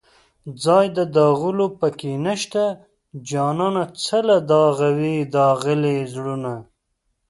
ځای د داغلو په کې نشته جانانه څله داغوې داغلي زړونه